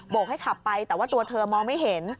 กให้ขับไปแต่ว่าตัวเธอมองไม่เห็น